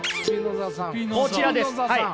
こちらですはい。